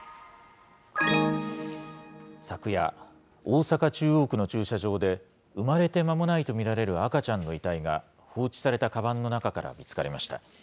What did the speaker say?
昨夜、大阪・中央区の駐車場で、産まれて間もないと見られる赤ちゃんの遺体が、放置されたかばんの中から見つかりました。